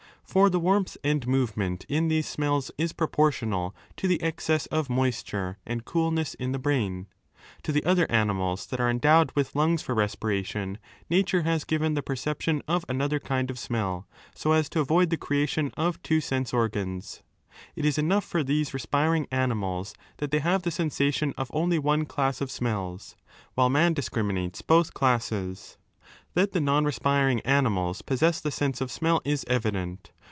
For the warmth and movement in these 444^ smells is proportional to the excess of moisture and coolness in the brain. To the other animals that are 21 endowed with lungs for respiration, nature has given the perception of another kind of smell, so as to avoid the creation of two sense organs. It is enough for these respiring animals that they have the sensation of only one class of smells, while man discriminates both 22 classes. tThat the non respiring animals possess the sense of smell is evident.